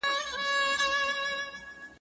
یا روان و موږ کاږه